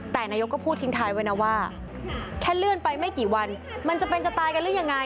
แต่นายกก็พูดทิ้งท้ายไว้นะว่าแค่เลื่อนไปไม่กี่วันมันจะเป็นจะตายกันหรือยังไง